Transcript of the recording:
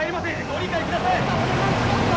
ご理解ください。